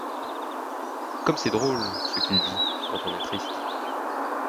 Comme c’est drôle, ce qu’il dit, quand on est triste!